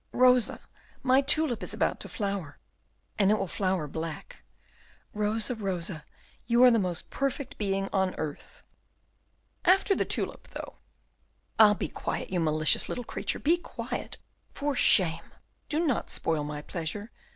Rosa, my tulip is about to flower, and it will flower black! Rosa, Rosa, you are the most perfect being on earth!" "After the tulip, though." "Ah! be quiet, you malicious little creature, be quiet! For shame! Do not spoil my pleasure.